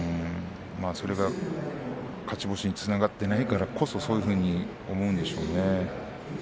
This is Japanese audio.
それが勝ち星につながっていないからこそそういうふうに思うんでしょうね。